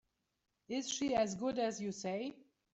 Is she as good as you say?